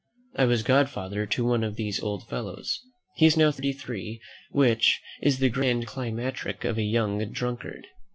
I was godfather to one of these old fellows. He is now three and thirty, which is the grand climacteric of a young drunkard.